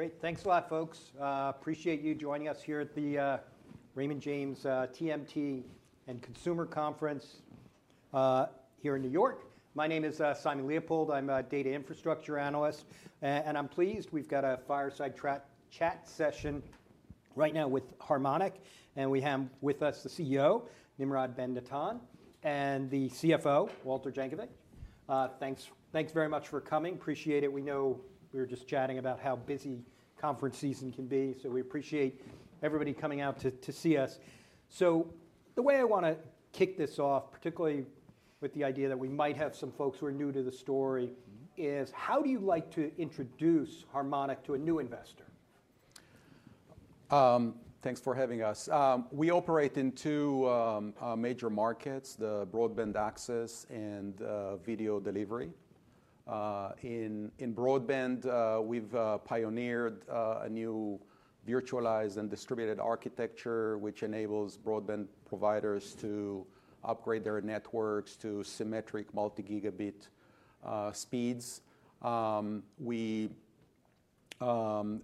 Great. Thanks a lot, folks. Appreciate you joining us here at the Raymond James TMT and Consumer Conference here in New York. My name is Simon Leopold. I'm a data infrastructure analyst. And I'm pleased we've got a fireside chat session right now with Harmonic. And we have with us the CEO, Nimrod Ben-Natan, and the CFO, Walter Jankovic. Thanks very much for coming. Appreciate it. We know we were just chatting about how busy conference season can be. So the way I want to kick this off, particularly with the idea that we might have some folks who are new to the story, is how do you like to introduce Harmonic to a new investor? Thanks for having us. We operate in two major markets, the broadband access and video delivery. In broadband, we've pioneered a new virtualized and distributed architecture, which enables broadband providers to upgrade their networks to symmetric multi-gigabit speeds.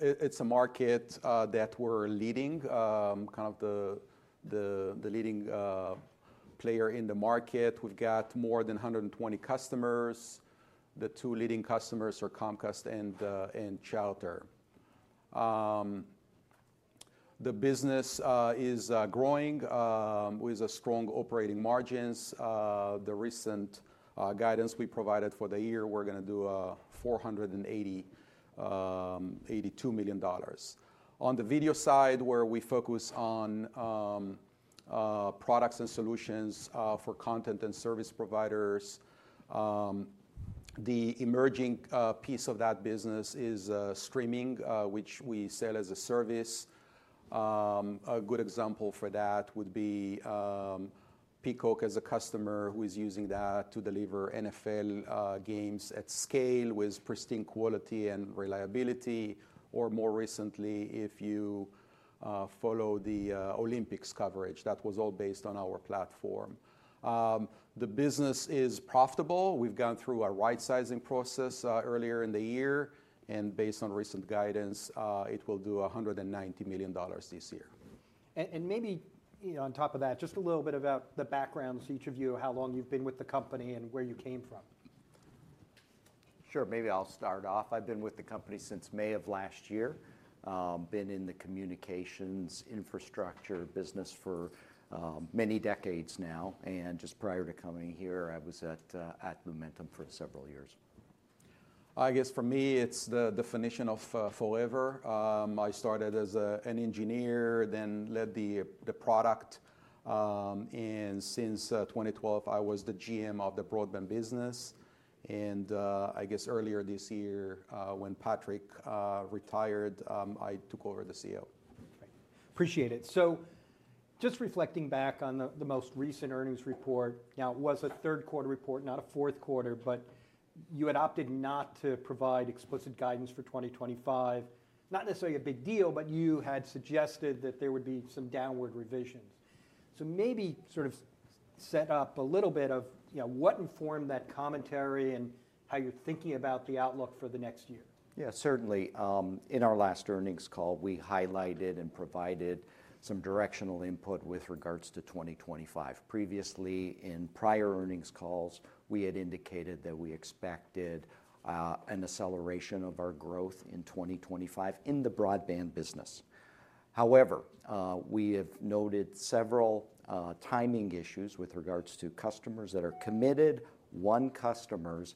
It's a market that we're leading, kind of the leading player in the market. We've got more than 120 customers. The two leading customers are Comcast and Charter. The business is growing with strong operating margins. The recent guidance we provided for the year, we're going to do $482 million. On the video side, where we focus on products and solutions for content and service providers, the emerging piece of that business is streaming, which we sell as a service. A good example for that would be Peacock as a customer who is using that to deliver NFL games at scale with pristine quality and reliability. Or more recently, if you follow the Olympics coverage, that was all based on our platform. The business is profitable. We've gone through a right-sizing process earlier in the year. And based on recent guidance, it will do $190 million this year. Maybe on top of that, just a little bit about the background, each of you, how long you've been with the company and where you came from. Sure. Maybe I'll start off. I've been with the company since May of last year. I've been in the communications infrastructure business for many decades now. And just prior to coming here, I was at Lumentum for several years. For me, it's the definition of forever. I started as an engineer, then led the product. And since 2012, I was the GM of the broadband business. And earlier this year, when Patrick retired, I took over the CEO. Appreciate it. So just reflecting back on the most recent earnings report, now it was a third quarter report, not a fourth quarter, but you had opted not to provide explicit guidance for 2025. Not necessarily a big deal, but you had suggested that there would be some downward revisions. So maybe sort of set up a little bit of what informed that commentary and how you're thinking about the outlook for the next year? Yeah, certainly. In our last earnings call, we highlighted and provided some directional input with regards to 2025. Previously, in prior earnings calls, we had indicated that we expected an acceleration of our growth in 2025 in the broadband business. However, we have noted several timing issues with regards to customers that are committed, our customers,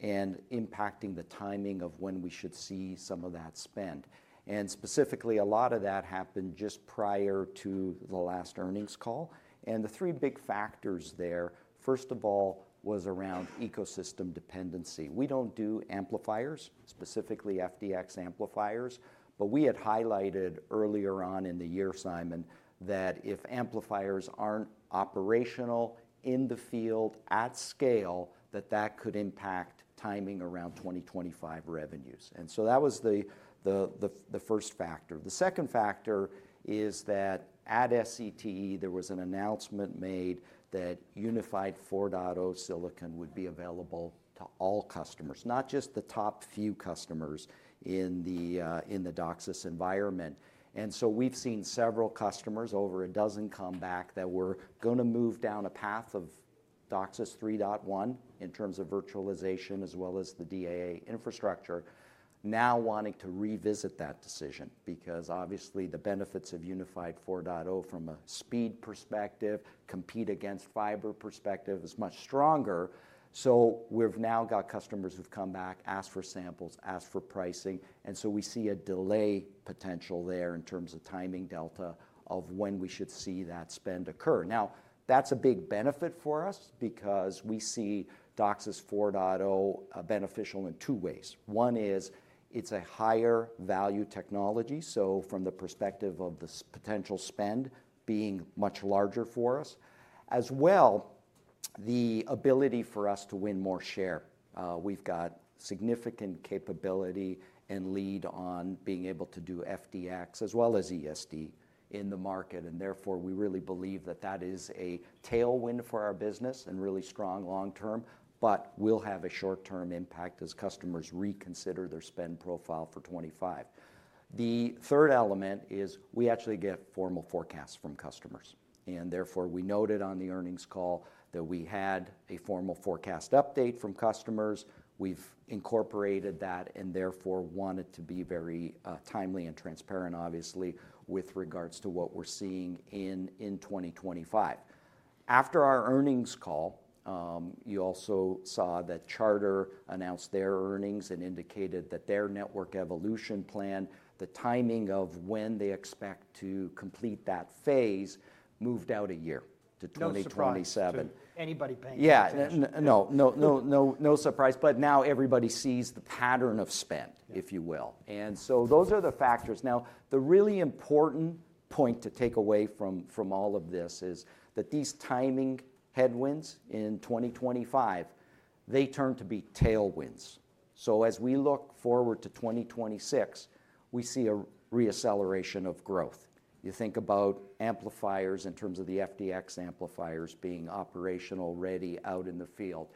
and impacting the timing of when we should see some of that spend, and specifically, a lot of that happened just prior to the last earnings call, and the three big factors there, first of all, was around ecosystem dependency. We don't do amplifiers, specifically FDX amplifiers. But we had highlighted earlier on in the year, Simon, that if amplifiers aren't operational in the field at scale, that could impact timing around 2025 revenues, and so that was the first factor. The second factor is that at SCTE, there was an announcement made that Unified 4.0 silicon would be available to all customers, not just the top few customers in the DOCSIS environment. And so we've seen several customers, over a dozen, come back that were going to move down a path of DOCSIS 3.1 in terms of virtualization as well as the DAA infrastructure, now wanting to revisit that decision because obviously the benefits of Unified 4.0 from a speed perspective, compete against fiber perspective is much stronger. So we've now got customers who've come back, asked for samples, asked for pricing. And so we see a delay potential there in terms of timing delta of when we should see that spend occur. Now, that's a big benefit for us because we see DOCSIS 4.0 beneficial in two ways. One is it's a higher value technology, so from the perspective of the potential spend being much larger for us, as well the ability for us to win more share. We've got significant capability and lead on being able to do FDX as well as ESD in the market. And therefore, we really believe that that is a tailwind for our business and really strong long term. But will have a short term impact as customers reconsider their spend profile for 2025. The third element is we actually get formal forecasts from customers. And therefore, we noted on the earnings call that we had a formal forecast update from customers. We've incorporated that and therefore wanted to be very timely and transparent, obviously, with regards to what we're seeing in 2025. After our earnings call, you also saw that Charter announced their earnings and indicated that their network evolution plan, the timing of when they expect to complete that phase, moved out a year to 2027. Anybody paying attention? Yeah. No, no surprise. But now everybody sees the pattern of spend, if you will. And so those are the factors. Now, the really important point to take away from all of this is that these timing headwinds in 2025, they turn to be tailwinds. So as we look forward to 2026, we see a reacceleration of growth. You think about amplifiers in terms of the FDX amplifiers being operational ready out in the field,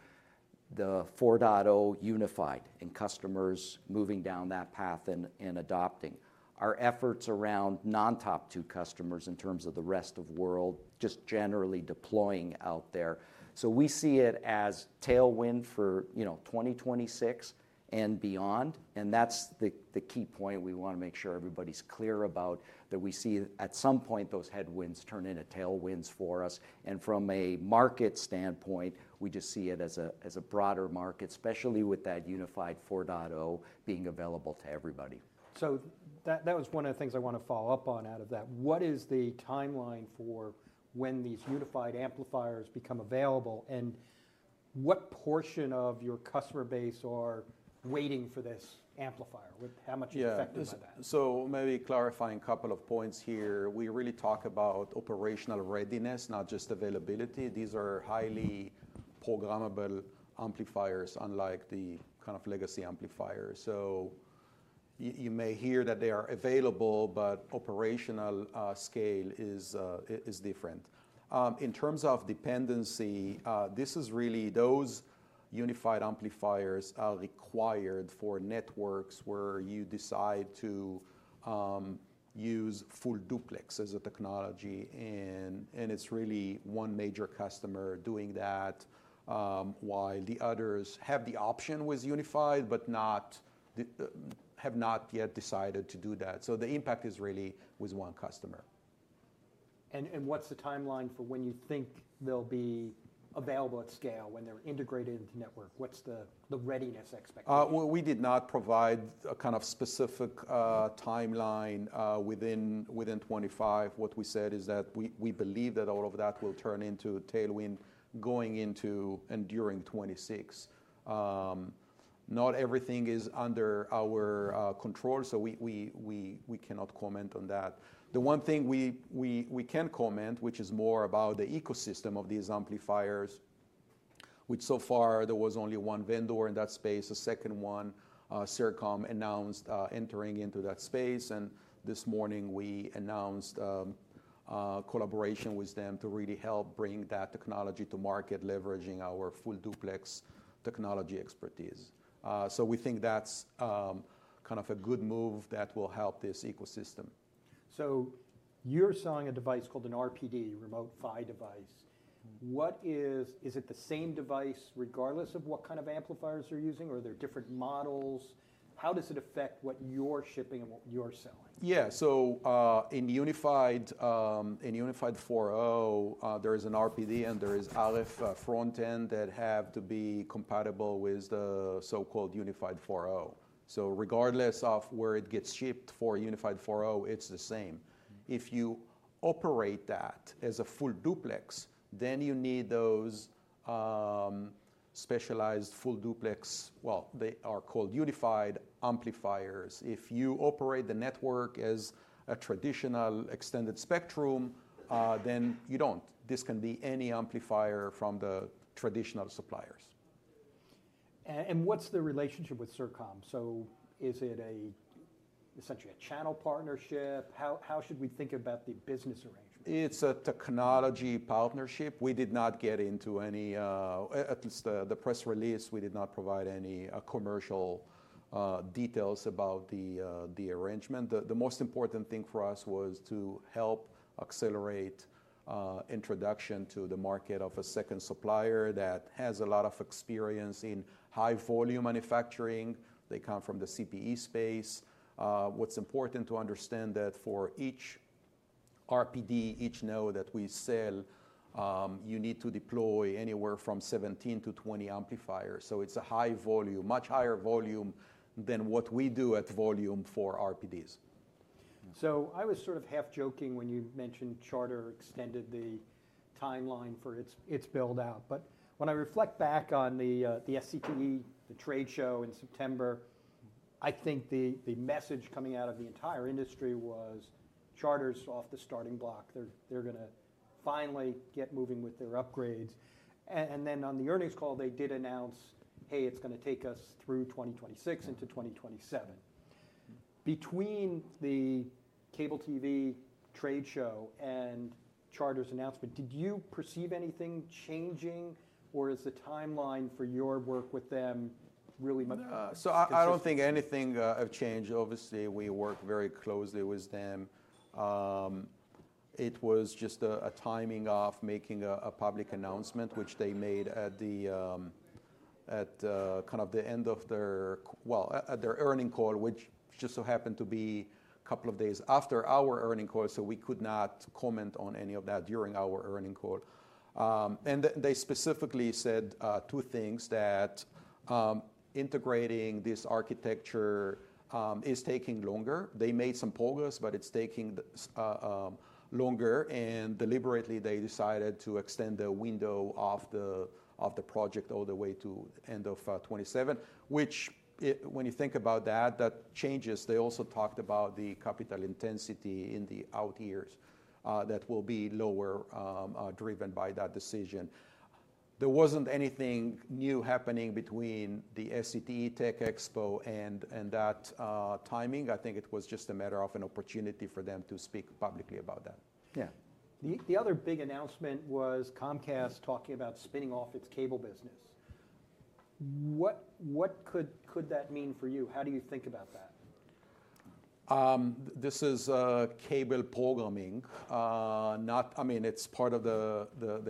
the 4.0 unified and customers moving down that path and adopting. Our efforts around non-top tier customers in terms of the rest of the world just generally deploying out there. So we see it as tailwind for 2026 and beyond. And that's the key point we want to make sure everybody's clear about that we see at some point those headwinds turn into tailwinds for us. From a market standpoint, we just see it as a broader market, especially with that Unified 4.0 being available to everybody. That was one of the things I want to follow up on out of that. What is the timeline for when these Unified amplifiers become available and what portion of your customer base are waiting for this amplifier? How much effective is that? So maybe clarifying a couple of points here. We really talk about operational readiness, not just availability. These are highly programmable amplifiers, unlike the kind of legacy amplifiers. So you may hear that they are available but operational scale is different. In terms of dependency, this is really those Unified amplifiers are required for networks where you decide to use full duplex as a technology. And it's really one major customer doing that while the others have the option with unified, but have not yet decided to do that. So the impact is really with one customer. What's the timeline for when you think they'll be available at scale when they're integrated into network? What's the readiness expected? We did not provide a kind of specific timeline within 2025. What we said is that we believe that all of that will turn into tailwind going into and during 2026. Not everything is under our control, so we cannot comment on that. The one thing we can comment, which is more about the ecosystem of these amplifiers, which so far there was only one vendor in that space. A second one, Sercomm, announced entering into that space. And this morning, we announced collaboration with them to really help bring that technology to market, leveraging our full duplex technology expertise. So we think that's kind of a good move that will help this ecosystem. So you're selling a device called an RPD, remote PHY device. Is it the same device regardless of what kind of amplifiers they're using? Are there different models? How does it affect what you're shipping and what you're selling? Yeah. So in Unified 4.0, there is an RPD and there is RF front end that have to be compatible with the so-called Unified 4.0. So regardless of where it gets shipped for Unified 4.0, it's the same. If you operate that as a full duplex, then you need those specialized full duplex, well, they are called Unified amplifiers. If you operate the network as a traditional extended spectrum, then you don't. This can be any amplifier from the traditional suppliers. And what's the relationship with Sercomm? So is it essentially a channel partnership? How should we think about the business arrangement? It's a technology partnership. We did not get into any, at least the press release, we did not provide any commercial details about the arrangement. The most important thing for us was to help accelerate introduction to the market of a second supplier that has a lot of experience in high volume manufacturing. They come from the CPE space. What's important to understand that for each RPD, each node that we sell, you need to deploy anywhere from 17 amplifiers to 20 amplifiers. So it's a high volume, much higher volume than what we do at volume for RPDs. So I was sort of half joking when you mentioned Charter extended the timeline for its build-out. But when I reflect back on the SCTE, the trade show in September, I think the message coming out of the entire industry was Charter's off the starting block. They're going to finally get moving with their upgrades. And then on the earnings call, they did announce, hey, it's going to take us through 2026 into 2027. Between the cable TV trade show and Charter's announcement, did you perceive anything changing or is the timeline for your work with them really much? I don't think anything changed. Obviously, we work very closely with them. It was just a timing of making a public announcement, which they made at kind of the end of their, well, at their earnings call, which just so happened to be a couple of days after our earnings call. So we could not comment on any of that during our earnings call. And they specifically said two things that integrating this architecture is taking longer. They made some progress, but it's taking longer. And deliberately, they decided to extend the window of the project all the way to the end of 2027, which when you think about that, that changes. They also talked about the capital intensity in the out years that will be lower driven by that decision. There wasn't anything new happening between the SCTE TechExpo and that timing. I think it was just a matter of an opportunity for them to speak publicly about that. Yeah. The other big announcement was Comcast talking about spinning off its cable business. What could that mean for you? How do you think about that? This is cable programming. I mean, it's part of the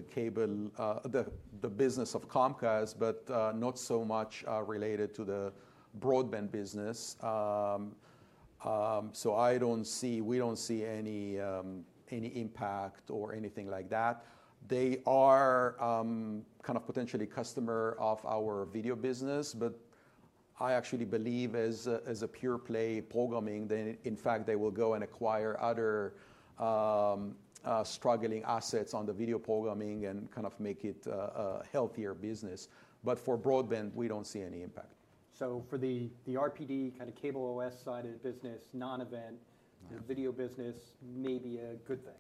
cable, the business of Comcast, but not so much related to the broadband business. So I don't see, we don't see any impact or anything like that. They are kind of potentially customer of our video business, but I actually believe as a pure play programming, then in fact, they will go and acquire other struggling assets on the video programming and kind of make it a healthier business. But for broadband, we don't see any impact. So, for the RPD, kind of CableOS side of the business, non-event video business, maybe a good thing.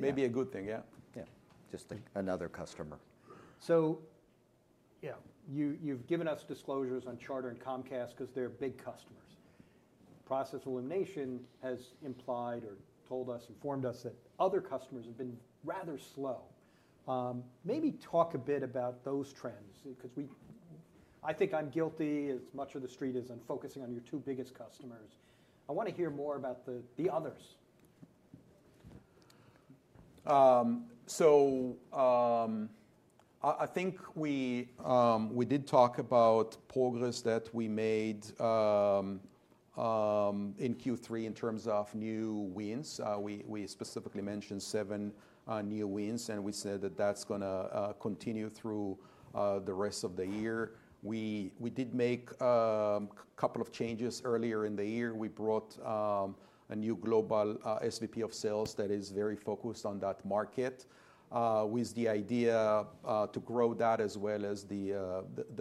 Maybe a good thing, yeah. Yeah, just another customer. So yeah, you've given us disclosures on Charter and Comcast because they're big customers. Process of elimination has implied or told us, informed us that other customers have been rather slow. Maybe talk a bit about those trends because I think I'm as guilty as the street of focusing on your two biggest customers. I want to hear more about the others. So I think we did talk about progress that we made in Q3 in terms of new wins. We specifically mentioned seven new wins, and we said that that's going to continue through the rest of the year. We did make a couple of changes earlier in the year. We brought a new global SVP of sales that is very focused on that market with the idea to grow that as well as the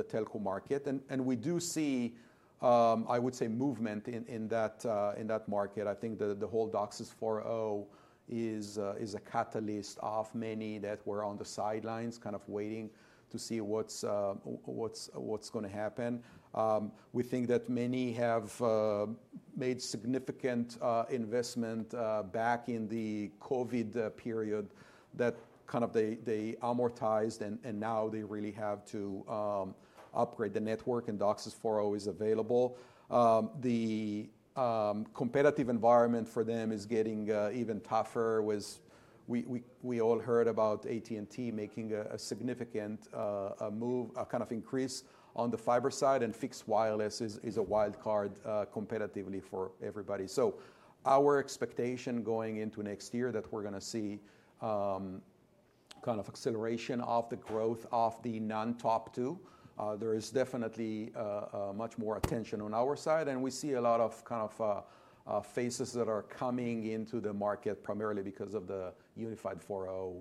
telco market. And we do see, I would say, movement in that market. I think the whole DOCSIS 4.0 is a catalyst of many that were on the sidelines kind of waiting to see what's going to happen. We think that many have made significant investment back in the COVID period that kind of they amortized, and now they really have to upgrade the network, and DOCSIS 4.0 is available. The competitive environment for them is getting even tougher with we all heard about AT&T making a significant move, a kind of increase on the fiber side, and fixed wireless is a wild card competitively for everybody. So our expectation going into next year that we're going to see kind of acceleration of the growth of the non-top two. There is definitely much more attention on our side, and we see a lot of kind of phases that are coming into the market primarily because of the Unified 4.0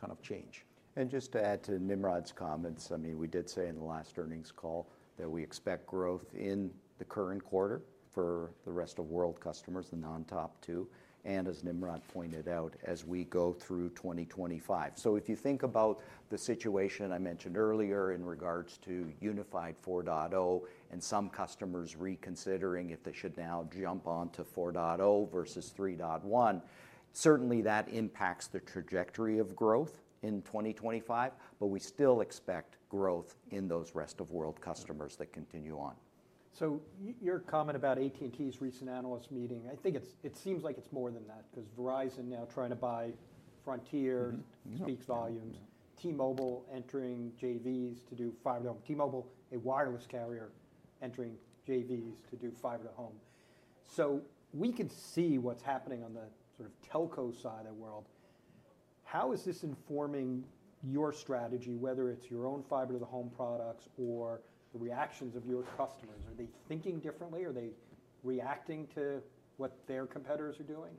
kind of change. And just to add to Nimrod's comments, I mean, we did say in the last earnings call that we expect growth in the current quarter for the rest of world customers, the non-top two, and as Nimrod pointed out, as we go through 2025. So if you think about the situation I mentioned earlier in regards to Unified 4.0 and some customers reconsidering if they should now jump onto 4.0 versus 3.1, certainly that impacts the trajectory of growth in 2025, but we still expect growth in those rest of world customers that continue on. So, your comment about AT&T's recent analyst meeting, I think it seems like it's more than that because Verizon now trying to buy Frontier speaks volumes. T-Mobile entering JVs to do fiber to home. T-Mobile, a wireless carrier entering JVs to do fiber to home. So we can see what's happening on the sort of telco side of the world. How is this informing your strategy, whether it's your own fiber to the home products or the reactions of your customers? Are they thinking differently? Are they reacting to what their competitors are doing?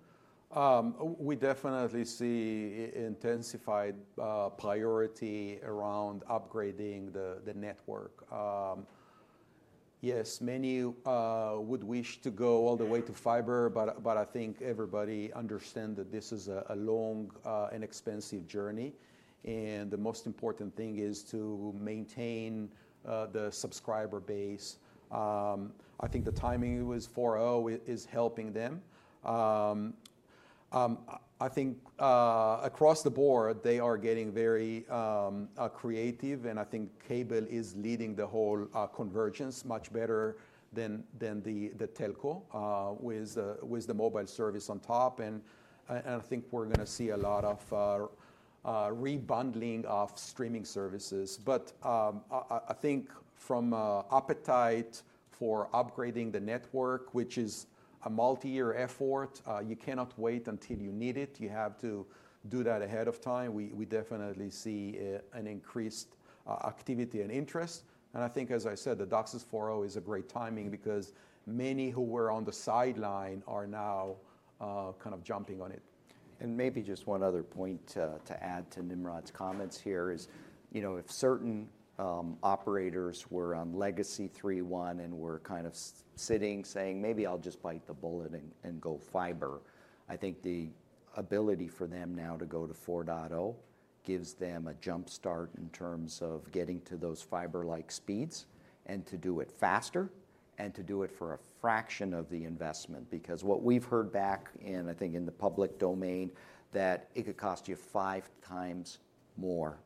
We definitely see intensified priority around upgrading the network. Yes, many would wish to go all the way to fiber, but I think everybody understands that this is a long and expensive journey, and the most important thing is to maintain the subscriber base. I think the timing with 4.0 is helping them. I think across the board, they are getting very creative, and I think cable is leading the whole convergence much better than the telco with the mobile service on top, and I think we're going to see a lot of rebundling of streaming services, but I think from appetite for upgrading the network, which is a multi-year effort, you cannot wait until you need it. You have to do that ahead of time. We definitely see an increased activity and interest. I think, as I said, the DOCSIS 4.0 is a great timing because many who were on the sidelines are now kind of jumping on it. Maybe just one other point to add to Nimrod's comments here is if certain operators were on Legacy 3.1 and were kind of sitting saying, maybe I'll just bite the bullet and go fiber. I think the ability for them now to go to 4.0 gives them a jumpstart in terms of getting to those fiber-like speeds and to do it faster and to do it for a fraction of the investment. Because what we've heard back in, I think in the public domain, that it could cost you 5x more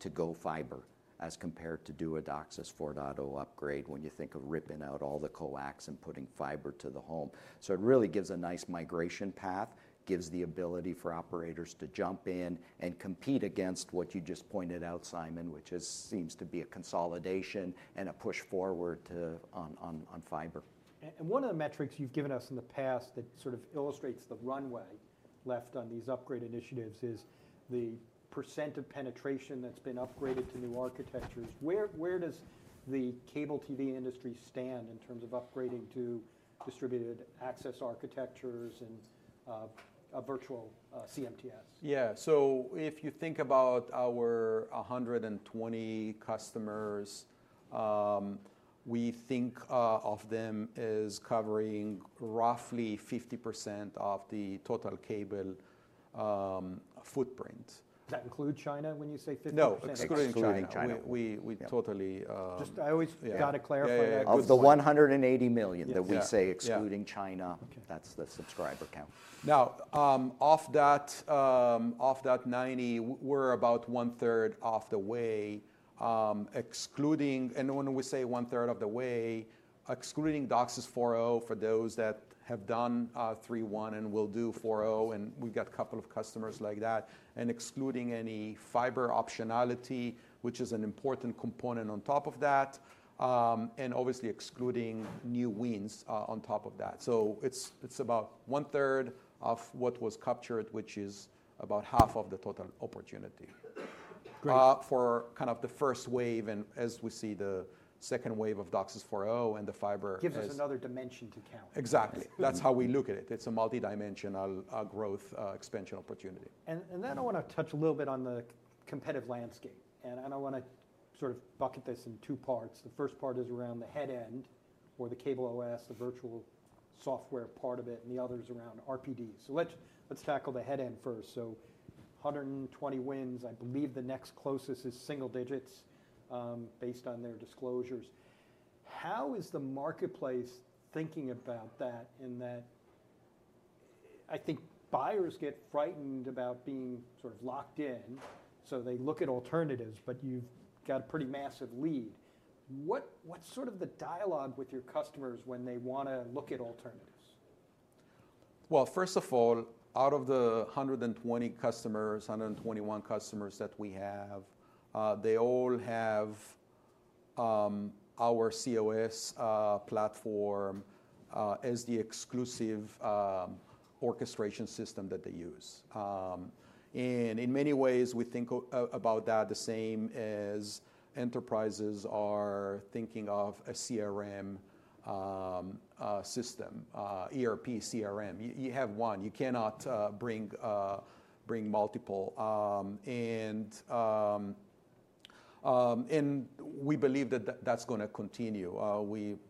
to go fiber as compared to do a DOCSIS 4.0 upgrade when you think of ripping out all the coax and putting fiber to the home. It really gives a nice migration path, gives the ability for operators to jump in and compete against what you just pointed out, Simon, which seems to be a consolidation and a push forward on fiber. One of the metrics you've given us in the past that sort of illustrates the runway left on these upgrade initiatives is the percent of penetration that's been upgraded to new architectures. Where does the cable TV industry stand in terms of upgrading to distributed access architectures and a virtual CMTS? Yeah, so if you think about our 120 customers, we think of them as covering roughly 50% of the total cable footprint. Does that include China when you say 50%? No, excluding China. We totally. Just, I always got to clarify that. Of the 180 million that we say excluding China, that's the subscriber count. Now, off that 90, we're about 1/3 of the way. And when we say 1/3 of the way, excluding DOCSIS 4.0 for those that have done DOCSIS 3.1 and will do 4.0, and we've got a couple of customers like that, and excluding any fiber optionality, which is an important component on top of that, and obviously excluding new wins on top of that. So it's about 1/3 of what was captured, which is about half of the total opportunity for kind of the first wave and as we see the second wave of DOCSIS 4.0 and the fiber. Gives us another dimension to count. Exactly. That's how we look at it. It's a multi-dimensional growth expansion opportunity. And then I want to touch a little bit on the competitive landscape. And I want to sort of bucket this in two parts. The first part is around the headend or the cable OS, the virtual software part of it, and the other is around RPD. So let's tackle the headend first. So 120 wins, I believe the next closest is single digits based on their disclosures. How is the marketplace thinking about that in that I think buyers get frightened about being sort of locked in, so they look at alternatives, but you've got a pretty massive lead. What's sort of the dialogue with your customers when they want to look at alternatives? First of all, out of the 120 customers, 121 customers that we have, they all have our cOS platform as the exclusive orchestration system that they use. In many ways, we think about that the same as enterprises are thinking of a CRM system, ERP CRM. You have one. You cannot bring multiple. We believe that that's going to continue.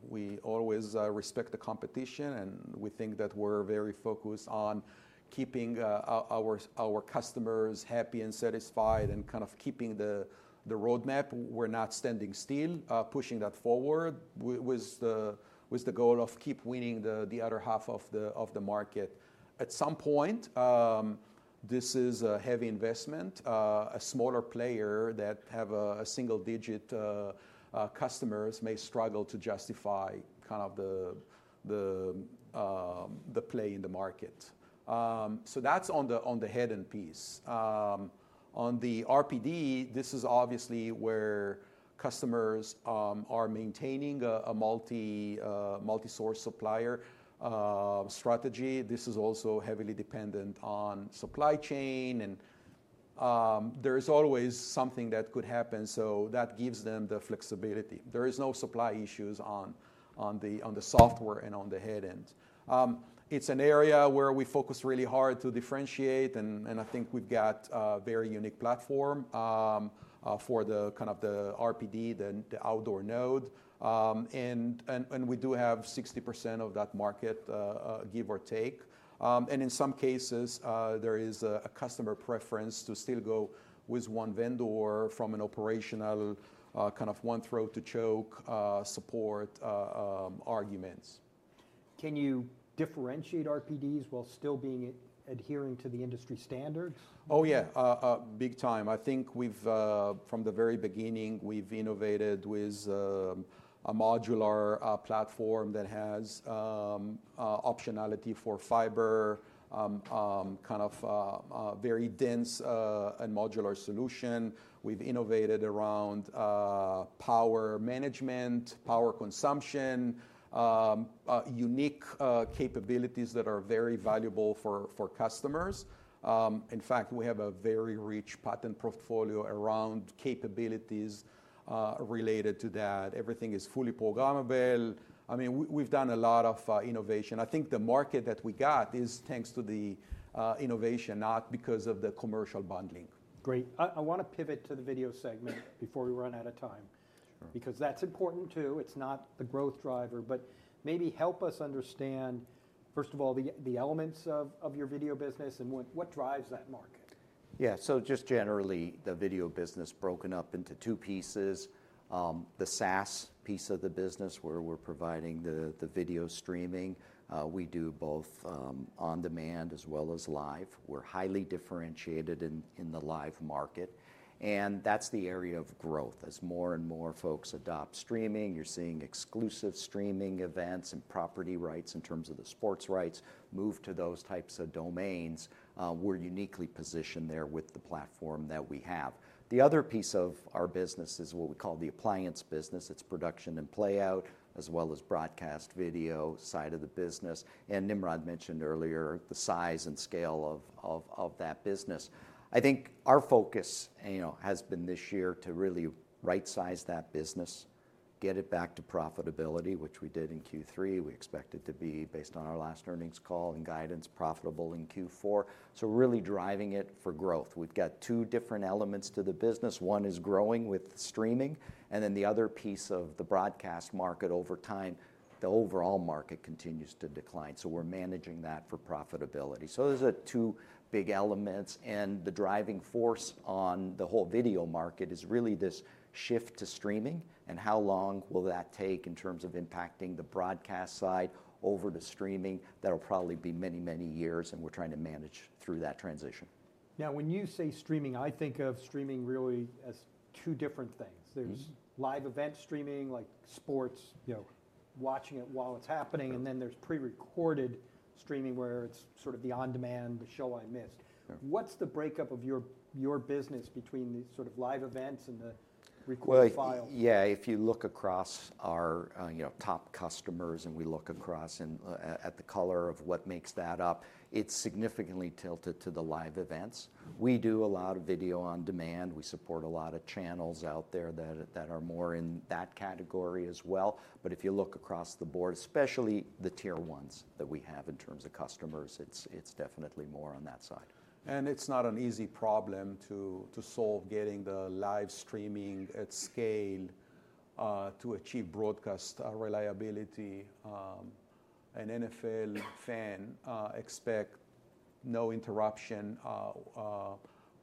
We always respect the competition, and we think that we're very focused on keeping our customers happy and satisfied and kind of keeping the roadmap. We're not standing still, pushing that forward with the goal of keep winning the other half of the market. At some point, this is a heavy investment. A smaller player that has a single-digit customers may struggle to justify kind of the play in the market. That's on the headend piece. On the RPD, this is obviously where customers are maintaining a multi-source supplier strategy. This is also heavily dependent on supply chain, and there is always something that could happen. So that gives them the flexibility. There are no supply issues on the software and on the headend. It's an area where we focus really hard to differentiate, and I think we've got a very unique platform for kind of the RPD, the outdoor node. And we do have 60% of that market, give or take. And in some cases, there is a customer preference to still go with one vendor from an operational kind of one throat to choke support arguments. Can you differentiate RPDs while still adhering to the industry standards? Oh, yeah, big time. I think from the very beginning, we've innovated with a modular platform that has optionality for fiber, kind of very dense and modular solution. We've innovated around power management, power consumption, unique capabilities that are very valuable for customers. In fact, we have a very rich patent portfolio around capabilities related to that. Everything is fully programmable. I mean, we've done a lot of innovation. I think the market that we got is thanks to the innovation, not because of the commercial bundling. Great. I want to pivot to the video segment before we run out of time because that's important too. It's not the growth driver, but maybe help us understand, first of all, the elements of your video business and what drives that market. Yeah. So just generally, the video business broken up into two pieces. The SaaS piece of the business where we're providing the video streaming, we do both on demand as well as live. We're highly differentiated in the live market. And that's the area of growth. As more and more folks adopt streaming, you're seeing exclusive streaming events and property rights in terms of the sports rights move to those types of domains. We're uniquely positioned there with the platform that we have. The other piece of our business is what we call the appliance business. It's production and playout as well as broadcast video side of the business. And Nimrod mentioned earlier the size and scale of that business. I think our focus has been this year to really right-size that business, get it back to profitability, which we did in Q3. We expect it to be, based on our last earnings call and guidance, profitable in Q4. So really driving it for growth. We've got two different elements to the business. One is growing with streaming, and then the other piece of the broadcast market over time, the overall market continues to decline. So we're managing that for profitability. So those are two big elements, and the driving force on the whole video market is really this shift to streaming and how long will that take in terms of impacting the broadcast side over to streaming. That'll probably be many, many years, and we're trying to manage through that transition. Now, when you say streaming, I think of streaming really as two different things. There's live event streaming, like sports, watching it while it's happening, and then there's prerecorded streaming where it's sort of the on-demand, the show I missed. What's the breakup of your business between the sort of live events and the recorded files? Yeah. If you look across our top customers and we look across at the color of what makes that up, it's significantly tilted to the live events. We do a lot of video on demand. We support a lot of channels out there that are more in that category as well. But if you look across the board, especially the tier ones that we have in terms of customers, it's definitely more on that side. It's not an easy problem to solve getting the live streaming at scale to achieve broadcast reliability. An NFL fan expects no interruption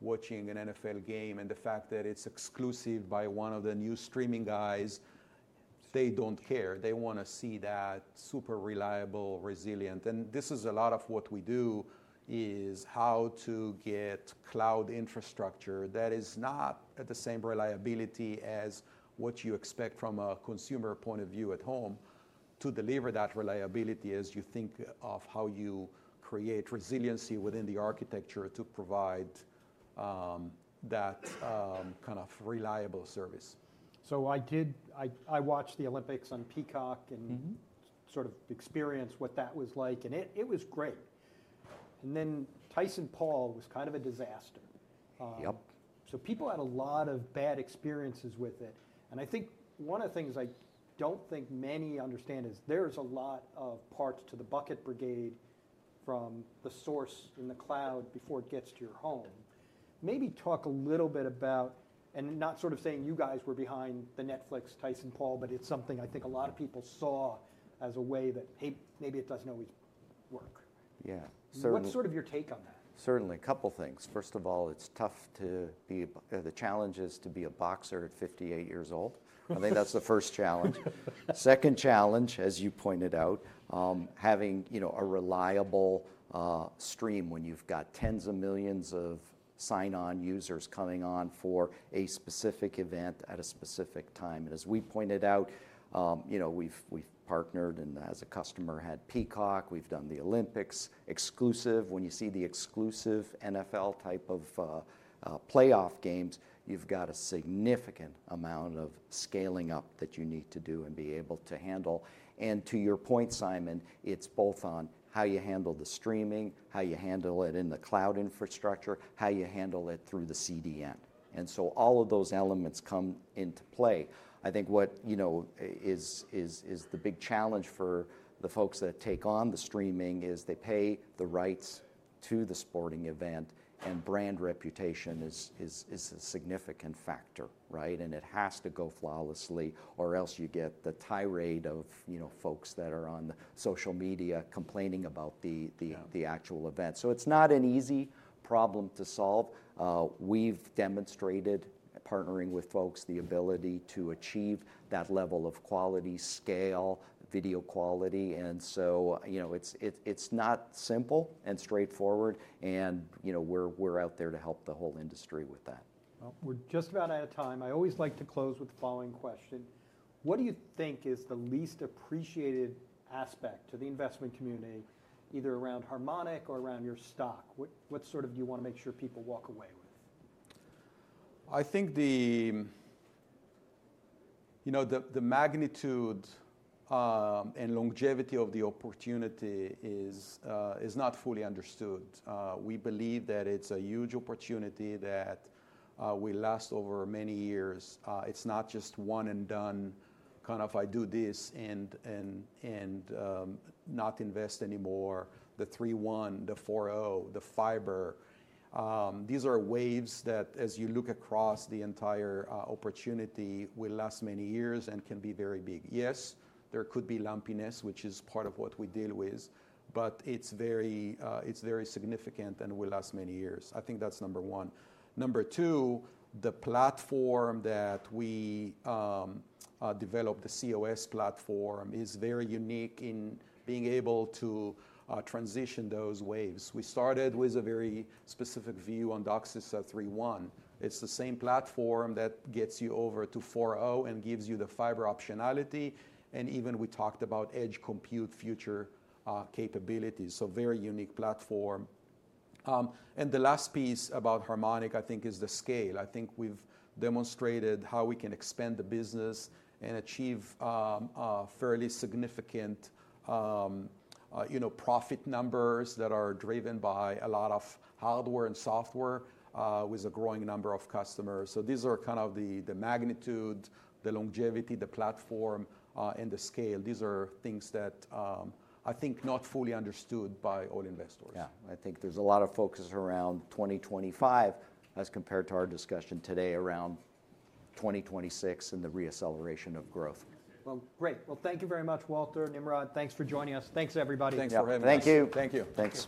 watching an NFL game. The fact that it's exclusive by one of the new streaming guys, they don't care. They want to see that super reliable, resilient. This is a lot of what we do is how to get cloud infrastructure that is not at the same reliability as what you expect from a consumer point of view at home to deliver that reliability as you think of how you create resiliency within the architecture to provide that kind of reliable service. I watched the Olympics on Peacock and sort of experienced what that was like, and it was great. Then Tyson-Paul was kind of a disaster. People had a lot of bad experiences with it. I think one of the things I don't think many understand is there's a lot of parts to the bucket brigade from the source in the cloud before it gets to your home. Maybe talk a little bit about, and not sort of saying you guys were behind the Netflix Tyson-Paul, but it's something I think a lot of people saw as a way that, hey, maybe it doesn't always work. What's sort of your take on that? Certainly. A couple of things. First of all, it's tough. The challenge is to be a boxer at 58 years old. I think that's the first challenge. Second challenge, as you pointed out, having a reliable stream when you've got tens of millions of sign-on users coming on for a specific event at a specific time. And as we pointed out, we've partnered and as a customer had Peacock. We've done the Olympics exclusive. When you see the exclusive NFL type of playoff games, you've got a significant amount of scaling up that you need to do and be able to handle. And to your point, Simon, it's both on how you handle the streaming, how you handle it in the cloud infrastructure, how you handle it through the CDN. And so all of those elements come into play. I think what is the big challenge for the folks that take on the streaming is they pay the rights to the sporting event, and brand reputation is a significant factor, right? and it has to go flawlessly or else you get the tirade of folks that are on social media complaining about the actual event, so it's not an easy problem to solve. We've demonstrated partnering with folks the ability to achieve that level of quality scale, video quality, and so it's not simple and straightforward, and we're out there to help the whole industry with that. We're just about out of time. I always like to close with the following question. What do you think is the least appreciated aspect to the investment community, either around Harmonic or around your stock? What sort of do you want to make sure people walk away with? I think the magnitude and longevity of the opportunity is not fully understood. We believe that it's a huge opportunity that will last over many years. It's not just one and done kind of I do this and not invest anymore. The 3.1, the 4.0, the fiber, these are waves that as you look across the entire opportunity, will last many years and can be very big. Yes, there could be lumpiness, which is part of what we deal with, but it's very significant and will last many years. I think that's number one. Number two, the platform that we developed, the cOS platform, is very unique in being able to transition those waves. We started with a very specific view on DOCSIS 3.1. It's the same platform that gets you over to 4.0 and gives you the fiber optionality. And even we talked about edge compute future capabilities. So, very unique platform. And the last piece about Harmonic, I think, is the scale. I think we've demonstrated how we can expand the business and achieve fairly significant profit numbers that are driven by a lot of hardware and software with a growing number of customers. So these are kind of the magnitude, the longevity, the platform, and the scale. These are things that I think not fully understood by all investors. Yeah. I think there's a lot of focus around 2025 as compared to our discussion today around 2026 and the reacceleration of growth. Well, great. Well, thank you very much, Walter, Nimrod. Thanks, everybody. Thanks for having us. Thank you. Thank you. Thanks.